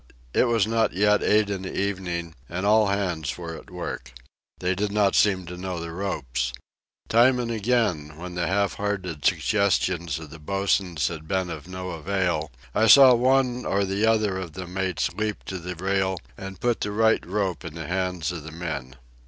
It was not yet eight in the evening, and all hands were at work. They did not seem to know the ropes. Time and again, when the half hearted suggestions of the bosuns had been of no avail, I saw one or the other of the mates leap to the rail and put the right rope in the hands of the men.